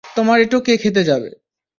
তোমার এঁটো কে খেতে যাবে?